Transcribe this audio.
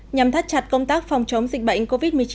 nhằm thắt chặt công tác phòng chống dịch bệnh covid một mươi chín